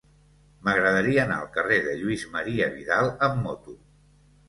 M'agradaria anar al carrer de Lluís Marià Vidal amb moto.